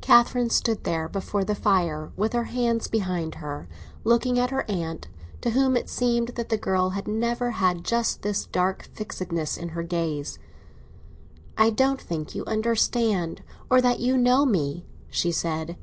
Catherine stood there before the fire, with her hands behind her, looking at her aunt, to whom it seemed that the girl had never had just this dark fixedness in her gaze. "I don't think you understand—or that you know me," she said.